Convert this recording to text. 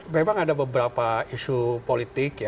memang ada beberapa isu politik